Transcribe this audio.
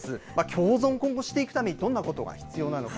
共存、今後、していくためにどんなことが必要なのか。